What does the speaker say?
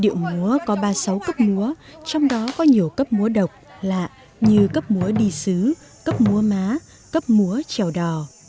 điệu múa có ba mươi sáu cấp múa trong đó có nhiều cấp múa độc lạ như cấp múa đi xứ cấp múa má cấp múa trèo đò